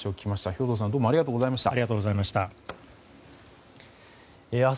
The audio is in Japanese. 兵頭さんどうもありがとうございました。